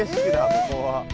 ここは。